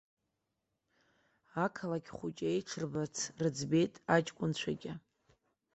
Ақалақь хәыҷы еиҽырбарц рыӡбеит аҷкәынцәагьы.